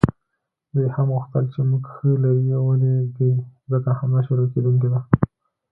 دوی هم غوښتل چې موږ ښه لرې ولیږي، ځکه حمله شروع کېدونکې وه.